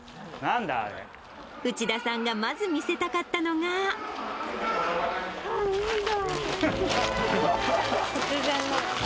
内田さんがまず見せたかったわー、海だ。